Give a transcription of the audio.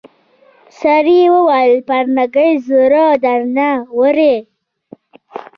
سړي وويل پرنګۍ زړه درنه وړی.